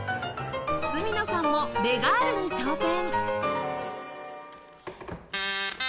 角野さんもレガールに挑戦